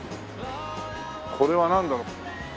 これはなんだろう？